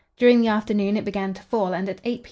During the afternoon it began to fall, and at 8 p.